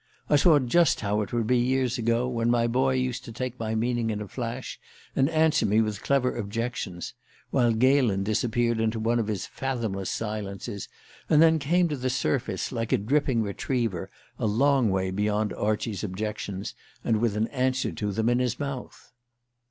I saw just how it would be years ago, when my boy used to take my meaning in a flash, and answer me with clever objections, while Galen disappeared into one of his fathomless silences, and then came to the surface like a dripping retriever, a long way beyond Archie's objections, and with an answer to them in his mouth."